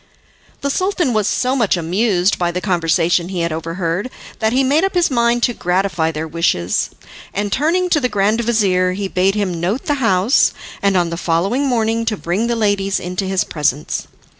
The Sultan was so much amused by the conversation he had overheard, that he made up his mind to gratify their wishes, and turning to the grand vizir, he bade him note the house, and on the following morning to bring the ladies into his presence.